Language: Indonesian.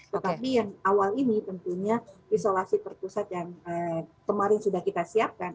tetapi yang awal ini tentunya isolasi terpusat yang kemarin sudah kita siapkan